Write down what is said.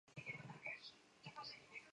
通假字使得文章很难读懂。